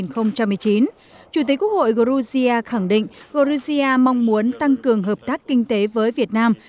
chủ tịch quốc hội georgia khẳng định georgia mong muốn tăng cường hợp tác kinh tế với việt nam